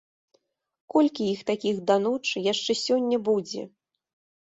Колькі іх такіх да ночы яшчэ сёння будзе!